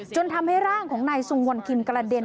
ทำให้ร่างของนายสุงวนคินกระเด็น